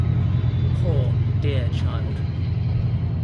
Poor dear child!